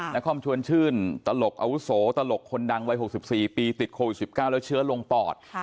นครชวนชื่นตลกอาวุโสตลกคนดังวัย๖๔ปีติดโควิด๑๙แล้วเชื้อลงปอด